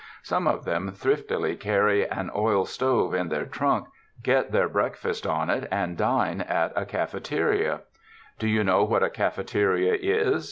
Some of them thriftily carry an oil stove in their trunk, get their breakfast on it, and dine at a cafe teria. Do you know what a cafeteria is?